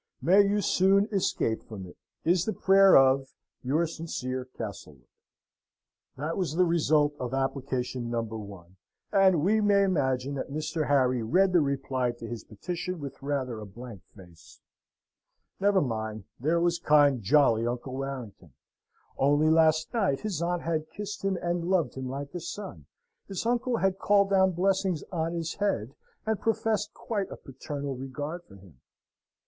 May you soon escape from it, is the prayer of your sincere CASTLEWOOD." This was the result of application number one: and we may imagine that Mr. Harry read the reply to his petition with rather a blank face. Never mind! There was kind, jolly Uncle Warrington. Only last night his aunt had kissed him and loved him like a son. His uncle had called down blessings on his head, and professed quite a paternal regard for him.